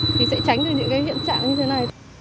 thì sẽ tránh được những cái hiện trạng như thế này